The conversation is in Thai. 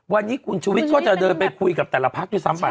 วันนี้คุณชุวิตก็จะเดินไปคุยกับแต่ละพักด้วยซ้ำไป